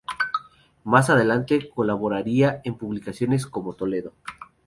Más adelante colaboraría en publicaciones como "Toledo.